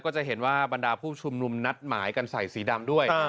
จะเห็นว่าบรรดาผู้ชุมนุมนัดหมายกันใส่สีดำด้วย